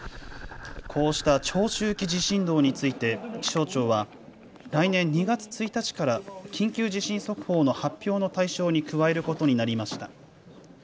こうした長周期地震動について気象庁は来年２月１日から緊急地震速報の発表の対象に加えることになりました。